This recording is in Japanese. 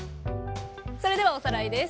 それではおさらいです。